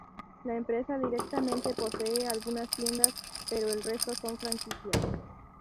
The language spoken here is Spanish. La empresa directamente posee algunas tiendas pero el resto son franquicias.